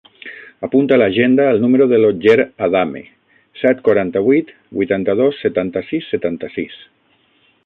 Apunta a l'agenda el número de l'Otger Adame: set, quaranta-vuit, vuitanta-dos, setanta-sis, setanta-sis.